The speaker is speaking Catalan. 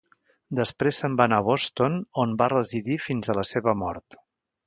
Després se'n va anar a Boston, on va residir fins a la seva mort.